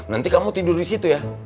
nanti kamu tidur di situ ya